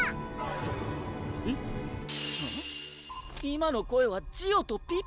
今の声はジオとピピ！